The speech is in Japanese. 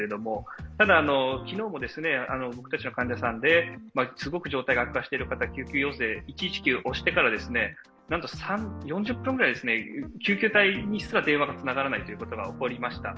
ただ、昨日も僕たちの患者さんですごく状態が悪化している方救急要請１１９を押してから、なんと４０分ぐらい、救急隊に電話すらつながらないということが起こりました。